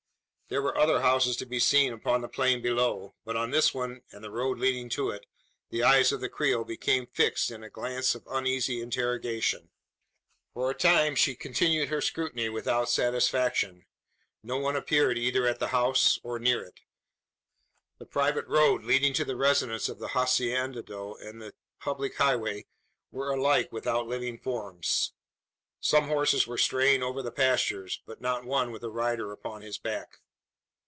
There were other houses to be seen upon the plain below; but on this one, and the road leading to it, the eyes of the Creole became fixed in a glance of uneasy interrogation. For a time she continued her scrutiny without satisfaction. No one appeared either at the house, or near it. The private road leading to the residence of the haciendado, and the public highway, were alike without living forms. Some horses were straying over the pastures; but not one with a rider upon his back.